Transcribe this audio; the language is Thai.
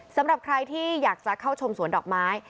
สำหรับใครที่อยากจะเข้าชมสวนดอกไม้